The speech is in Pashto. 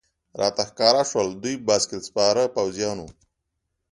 راته ښکاره شول، دوی بایسکل سپاره پوځیان و.